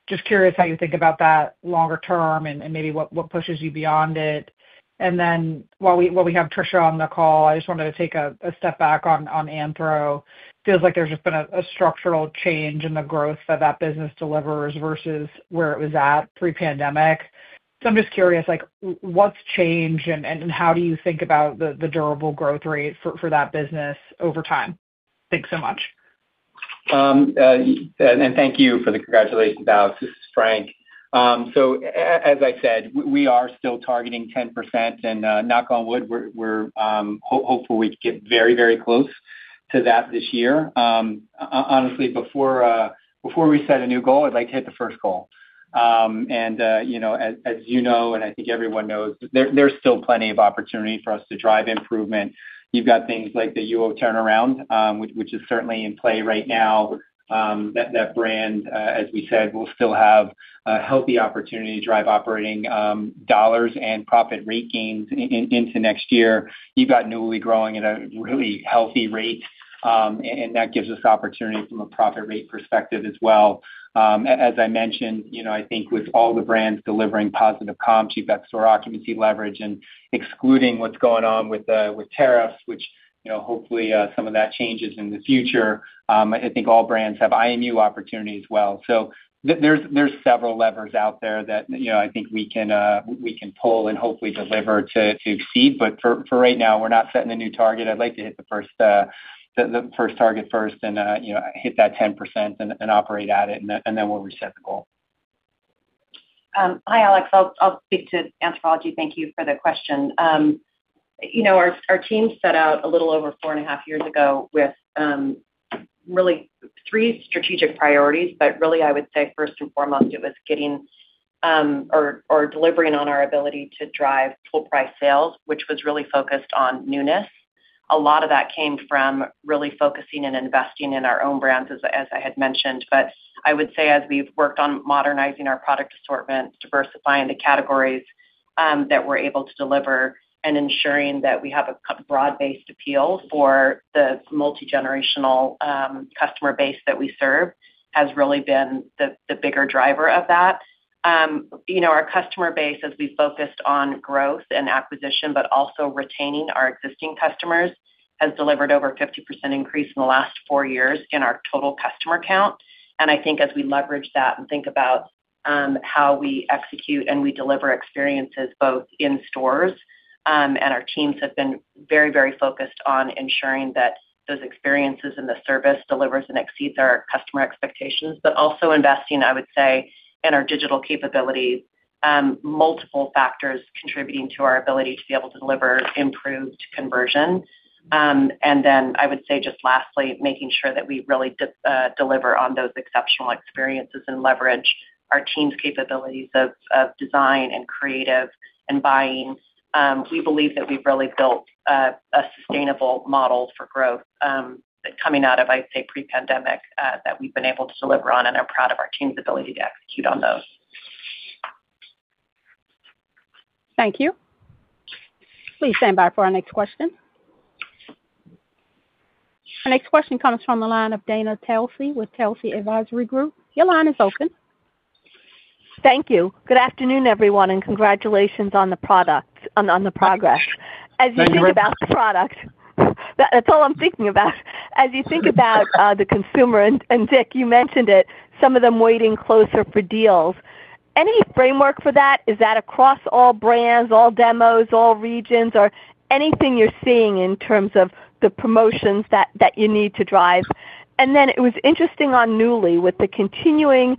Just curious how you think about that longer term and maybe what pushes you beyond it. While we have Tricia on the call, I just wanted to take a step back on Anthro. It feels like there's just been a structural change in the growth that that business delivers versus where it was at pre-pandemic. I'm just curious, what's changed, and how do you think about the durable growth rate for that business over time? Thanks so much. Thank you for the congratulations, Alex. This is Frank. As I said, we are still targeting 10%, and knock on wood, we're hopeful we can get very, very close to that this year. Honestly, before we set a new goal, I'd like to hit the first goal. As you know, and I think everyone knows, there's still plenty of opportunity for us to drive improvement. You've got things like the UO turnaround, which is certainly in play right now. That brand, as we said, will still have a healthy opportunity to drive operating dollars and profit rate gains into next year. You've got Nuuly growing at a really healthy rate, and that gives us opportunity from a profit rate perspective as well. As I mentioned, I think with all the brands delivering positive comps, you've got store occupancy leverage, and excluding what's going on with tariffs, which hopefully some of that changes in the future, I think all brands have IMU opportunity as well. There are several levers out there that I think we can pull and hopefully deliver to exceed. For right now, we're not setting a new target. I'd like to hit the first target first and hit that 10% and operate at it, and then we'll reset the goal. Hi, Alex. I'll speak to Anthropologie. Thank you for the question. Our team set out a little over four and a half years ago with really three strategic priorities, but really, I would say first and foremost, it was getting or delivering on our ability to drive full-price sales, which was really focused on newness. A lot of that came from really focusing and investing in our own brands, as I had mentioned. I would say as we've worked on modernizing our product assortments, diversifying the categories that we're able to deliver, and ensuring that we have a broad-based appeal for the multi-generational customer base that we serve has really been the bigger driver of that. Our customer base, as we focused on growth and acquisition, but also retaining our existing customers, has delivered over a 50% increase in the last four years in our total customer count. I think as we leverage that and think about how we execute and we deliver experiences both in stores, our teams have been very, very focused on ensuring that those experiences and the service delivers and exceeds our customer expectations, but also investing, I would say, in our digital capabilities. Multiple factors contributing to our ability to be able to deliver improved conversion. I would say just lastly, making sure that we really deliver on those exceptional experiences and leverage our team's capabilities of design and creative and buying. We believe that we've really built a sustainable model for growth coming out of, I'd say, pre-pandemic that we've been able to deliver on and are proud of our team's ability to execute on those. Thank you. Please stand by for our next question. Our next question comes from the line of Dana Telsey with Telsey Advisory Group. Your line is open. Thank you. Good afternoon, everyone, and congratulations on the product and on the progress. As you think about the product—that's all I'm thinking about. As you think about the consumer, and Dick, you mentioned it, some of them waiting closer for deals. Any framework for that? Is that across all brands, all demos, all regions, or anything you're seeing in terms of the promotions that you need to drive? It was interesting on Nuuly with the continuing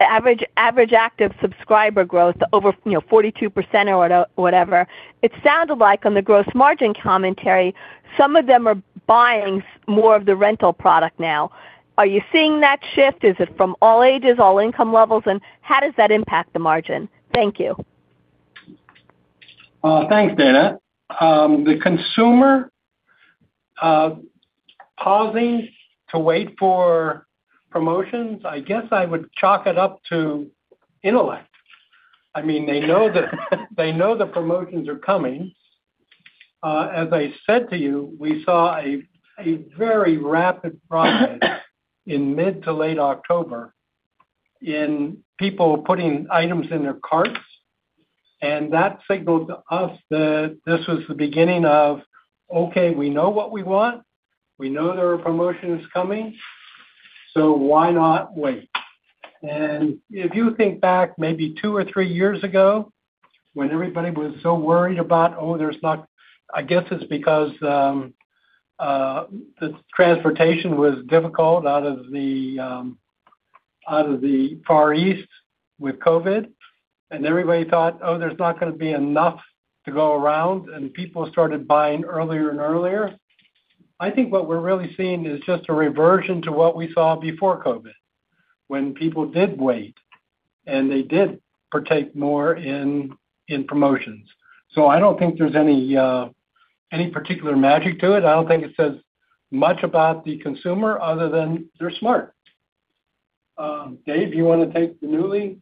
average active subscriber growth, over 42% or whatever. It sounded like on the gross margin commentary, some of them are buying more of the rental product now. Are you seeing that shift? Is it from all ages, all income levels, and how does that impact the margin? Thank you. Thanks, Dana. The consumer pausing to wait for promotions, I guess I would chalk it up to intellect. I mean, they know the promotions are coming. As I said to you, we saw a very rapid progress in mid to late October in people putting items in their carts, and that signaled to us that this was the beginning of, "Okay, we know what we want. We know there are promotions coming. So why not wait? And if you think back maybe two or three years ago when everybody was so worried about, "Oh, there's not—" I guess it's because the transportation was difficult out of the Far East with COVID, and everybody thought, "Oh, there's not going to be enough to go around," and people started buying earlier and earlier. I think what we're really seeing is just a reversion to what we saw before COVID when people did wait and they did partake more in promotions. So I don't think there's any particular magic to it. I don't think it says much about the consumer other than they're smart. Dave, do you want to take the Nuuly?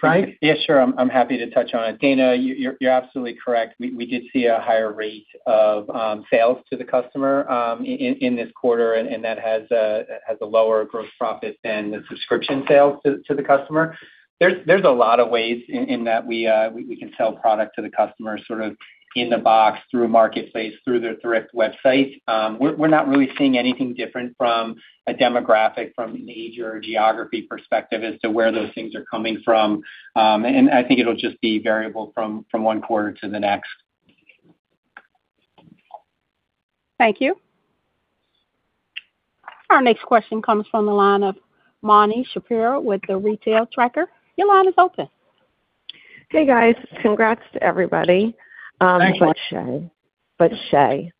Frank? Yeah, sure. I'm happy to touch on it. Dana, you're absolutely correct. We did see a higher rate of sales to the customer in this quarter, and that has a lower gross profit than the subscription sales to the customer. There are a lot of ways in that we can sell product to the customer, sort of in the box, through Marketplace, through their direct website. We're not really seeing anything different from a demographic, from a major geography perspective as to where those things are coming from. I think it'll just be variable from one quarter to the next. Thank you. Our next question comes from the line of Marni Shapiro with The Retail Tracker. Your line is open. Hey, guys. Congrats to everybody. But Shea.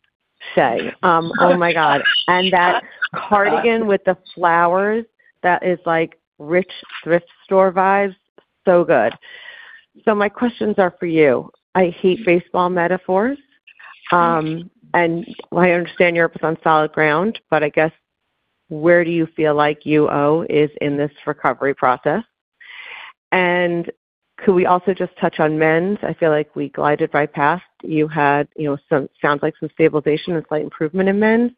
Shea. Oh my God. That cardigan with the flowers, that is like rich thrift store vibes. So good. My questions are for you. I hate baseball metaphors, and I understand you're up on solid ground, but I guess where do you feel like UO is in this recovery process? Could we also just touch on men's? I feel like we glided right past. You had, sounds like, some stabilization and slight improvement in men's.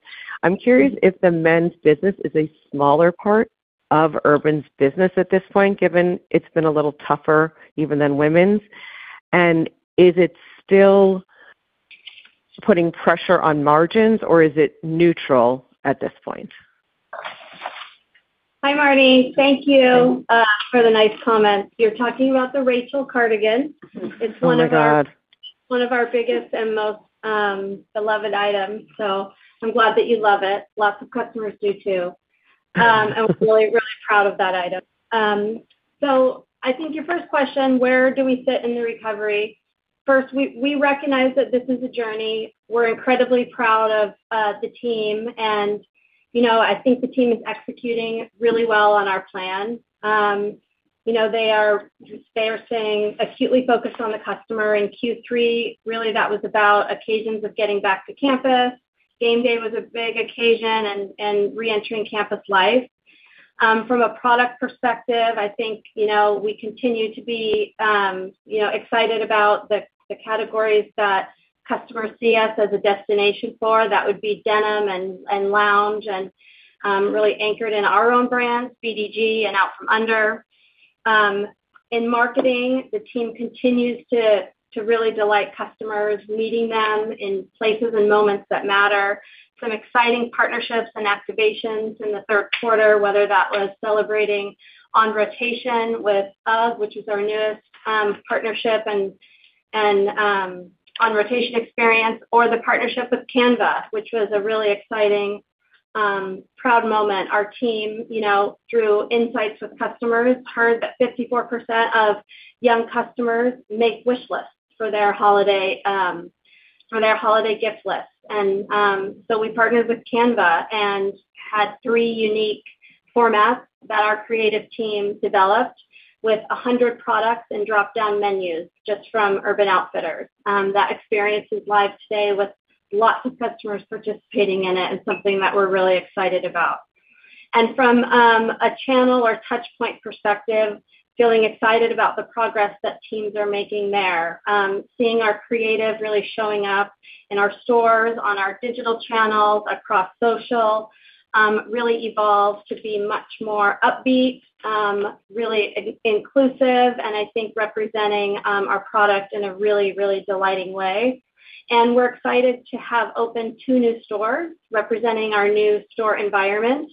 I'm curious if the men's business is a smaller part of Urban's business at this point, given it's been a little tougher even than women's. Is it still putting pressure on margins, or is it neutral at this point? Hi, Marni. Thank you for the nice comment. You're talking about the Rachel cardigan. It's one of our biggest and most beloved items. I'm glad that you love it. Lots of customers do too. We're really, really proud of that item. I think your first question, where do we sit in the recovery? First, we recognize that this is a journey. We're incredibly proud of the team, and I think the team is executing really well on our plan. They are staying acutely focused on the customer. In Q3, really, that was about occasions of getting back to campus. Game day was a big occasion and re-entering campus life. From a product perspective, I think we continue to be excited about the categories that customers see us as a destination for. That would be denim and lounge and really anchored in our own brands, BDG and Out From Under. In marketing, the team continues to really delight customers, meeting them in places and moments that matter. Some exciting partnerships and activations in the third quarter, whether that was celebrating On Rotation with UGG, which is our newest partnership, and On Rotation experience, or the partnership with Canva, which was a really exciting, proud moment. Our team drew insights with customers, heard that 54% of young customers make wish lists for their holiday gift lists. We partnered with Canva and had three unique formats that our creative team developed with 100 products and drop-down menus just from Urban Outfitters. That experience is live today with lots of customers participating in it and something that we're really excited about. From a channel or touchpoint perspective, feeling excited about the progress that teams are making there, seeing our creative really showing up in our stores, on our digital channels, across social, really evolved to be much more upbeat, really inclusive, and I think representing our product in a really, really delighting way. We are excited to have opened two new stores representing our new store environment.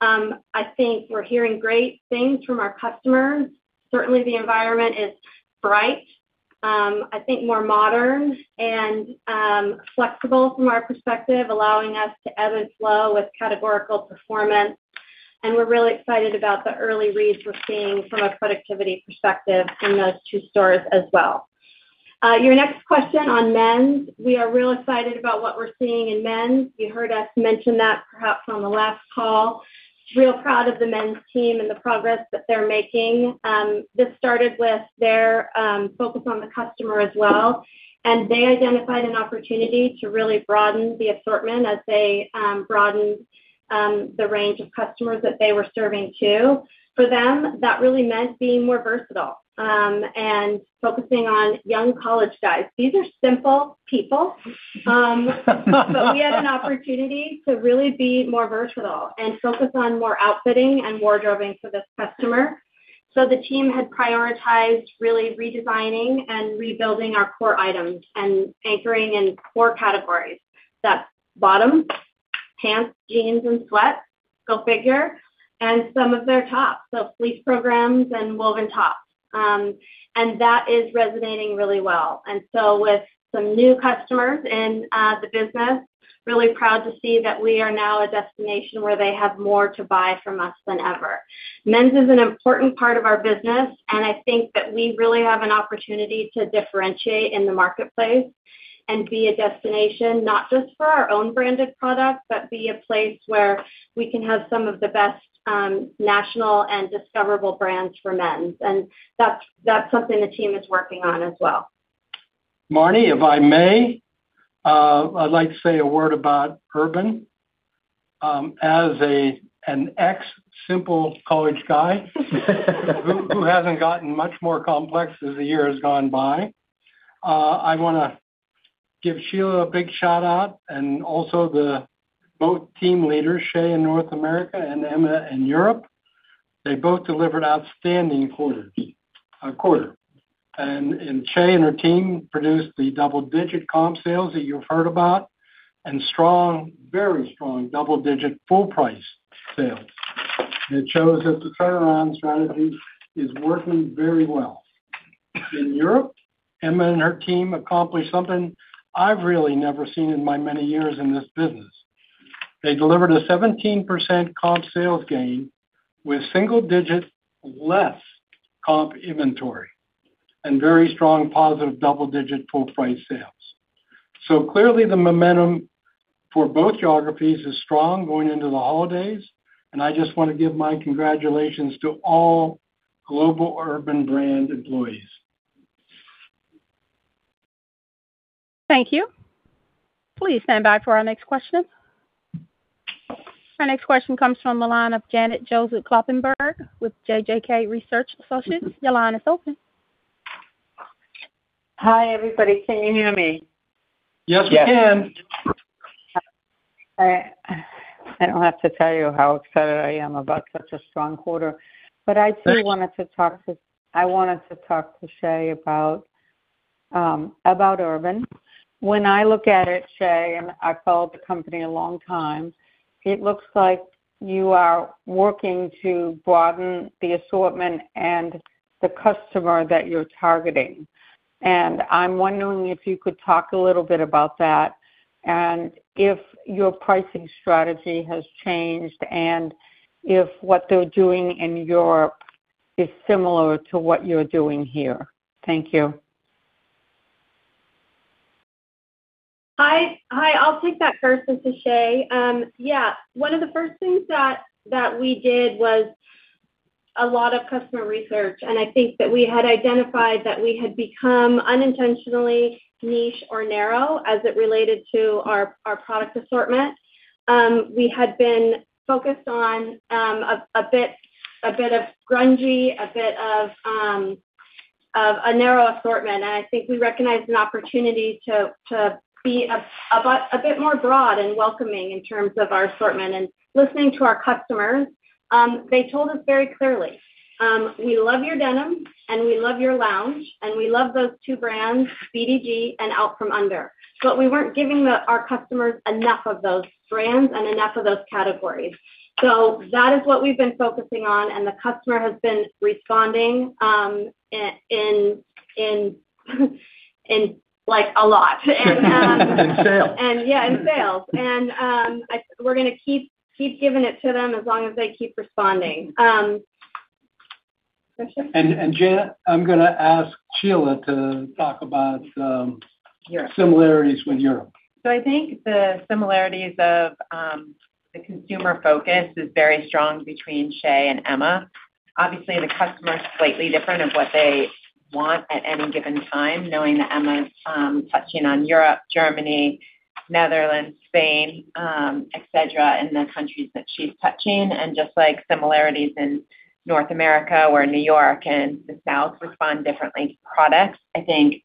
I think we're hearing great things from our customers. Certainly, the environment is bright, I think more modern and flexible from our perspective, allowing us to ebb and flow with categorical performance. We are really excited about the early reads we're seeing from a productivity perspective in those two stores as well. Your next question on men's. We are real excited about what we're seeing in men's. You heard us mention that perhaps on the last call. Real proud of the men's team and the progress that they're making. This started with their focus on the customer as well. They identified an opportunity to really broaden the assortment as they broadened the range of customers that they were serving too. For them, that really meant being more versatile and focusing on young college guys. These are simple people, but we had an opportunity to really be more versatile and focus on more outfitting and wardrobing for this customer. The team had prioritized really redesigning and rebuilding our core items and anchoring in four categories. That's bottoms, pants, jeans, and sweats, go figure, and some of their tops. Fleece programs and woven tops. That is resonating really well. With some new customers in the business, really proud to see that we are now a destination where they have more to buy from us than ever. Men's is an important part of our business, and I think that we really have an opportunity to differentiate in the marketplace and be a destination, not just for our own branded products, but be a place where we can have some of the best national and discoverable brands for men's. That's something the team is working on as well. Marni, if I may, I'd like to say a word about Urban. As an ex-simple college guy who hasn't gotten much more complex as the year has gone by, I want to give Sheila a big shout-out and also the both team leaders, Shea in North America and Emma in Europe. They both delivered outstanding quarters. Shea and her team produced the double-digit comp sales that you've heard about and strong, very strong double-digit full-price sales. They chose that the turnaround strategy is working very well. In Europe, Emma and her team accomplished something I've really never seen in my many years in this business. They delivered a 17% comp sales gain with single-digit less comp inventory and very strong positive double-digit full-price sales. Clearly, the momentum for both geographies is strong going into the holidays, and I just want to give my congratulations to all Global Urban Brand employees. Thank you. Please stand by for our next question. Our next question comes from the line of Janet Kloppenburg with JJK Research Associates. Your line is open. Hi, everybody. Can you hear me? Yes, we can. I don't have to tell you how excited I am about such a strong quarter, but I do want to talk to—I wanted to talk to Shea about Urban. When I look at it, Shea, and I've followed the company a long time, it looks like you are working to broaden the assortment and the customer that you're targeting. I'm wondering if you could talk a little bit about that and if your pricing strategy has changed and if what they're doing in Europe is similar to what you're doing here. Thank you. Hi. Hi. I'll take that first. This is Shea. Yeah. One of the first things that we did was a lot of customer research, and I think that we had identified that we had become unintentionally niche or narrow as it related to our product assortment. We had been focused on a bit of grungy, a bit of a narrow assortment, and I think we recognized an opportunity to be a bit more broad and welcoming in terms of our assortment. Listening to our customers, they told us very clearly, "We love your denim, and we love your lounge, and we love those two brands, BDG and Out From Under." We were not giving our customers enough of those brands and enough of those categories. That is what we have been focusing on, and the customer has been responding a lot. In sales. Yeah, in sales. We are going to keep giving it to them as long as they keep responding. Janet, I am going to ask Sheila to talk about similarities with Europe I think the similarities of the consumer focus is very strong between Shea and Emma. Obviously, the customer is slightly different of what they want at any given time, knowing that Emma is touching on Europe, Germany, Netherlands, Spain, etc., and the countries that she's touching. Just like similarities in North America where New York and the South respond differently to products, I think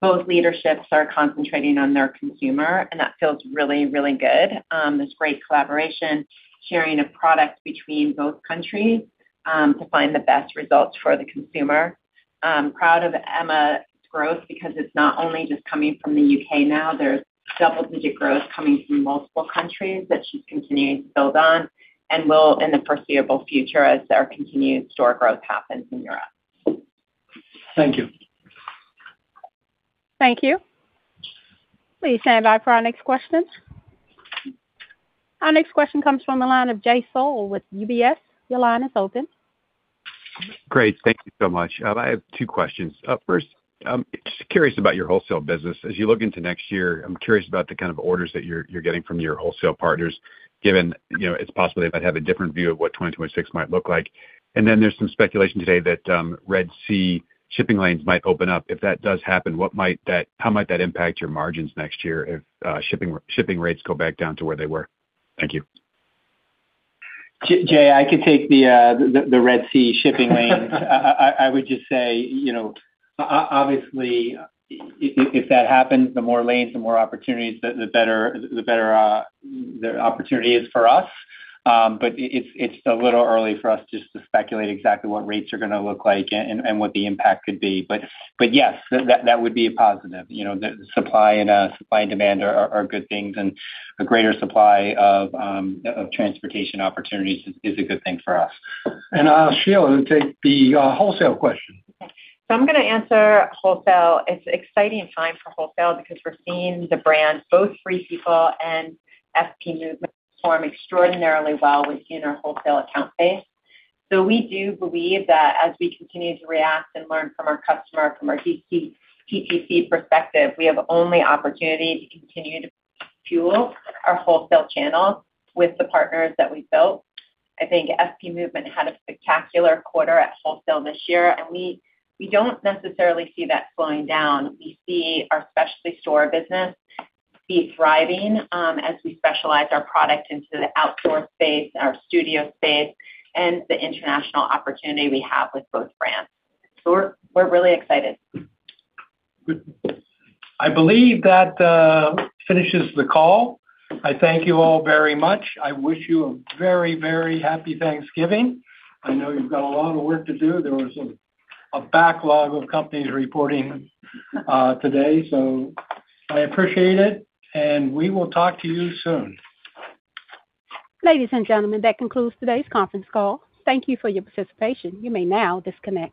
both leaderships are concentrating on their consumer, and that feels really, really good. There's great collaboration, sharing of products between both countries to find the best results for the consumer. Proud of Emma's growth because it's not only just coming from the U.K. now. There's double-digit growth coming from multiple countries that she's continuing to build on and will in the foreseeable future as our continued store growth happens in Europe. Thank you. Please stand by for our next question. Our next question comes from the line of Jay Sole with UBS. Your line is open. Great. Thank you so much. I have two questions. First, just curious about your wholesale business. As you look into next year, I'm curious about the kind of orders that you're getting from your wholesale partners, given it's possible they might have a different view of what 2026 might look like. There is some speculation today that Red Sea shipping lanes might open up. If that does happen, how might that impact your margins next year if shipping rates go back down to where they were? Thank you. Jay, I could take the Red Sea shipping lanes. I would just say, obviously, if that happens, the more lanes, the more opportunities, the better the opportunity is for us. It is a little early for us just to speculate exactly what rates are going to look like and what the impact could be. Yes, that would be a positive. Supply and demand are good things, and a greater supply of transportation opportunities is a good thing for us. Sheila would take the wholesale question. I'm going to answer wholesale. It's an exciting time for wholesale because we're seeing the brand, both Free People and FP Movement, perform extraordinarily well within our wholesale account base. We do believe that as we continue to react and learn from our customer, from our DTC perspective, we have only opportunity to continue to fuel our wholesale channels with the partners that we've built. I think FP Movement had a spectacular quarter at wholesale this year, and we don't necessarily see that slowing down. We see our specialty store business be thriving as we specialize our product into the outdoor space, our studio space, and the international opportunity we have with both brands. We're really excited. I believe that finishes the call. I thank you all very much. I wish you a very, very happy Thanksgiving. I know you've got a lot of work to do. There was a backlog of companies reporting today, so I appreciate it, and we will talk to you soon. Ladies and gentlemen, that concludes today's conference call. Thank you for your participation. You may now disconnect.